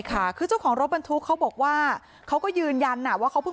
ค่ะคือเจ้าของรถบรรทุกเขาบอกว่าเขาก็ยืนยันว่าเขาพูด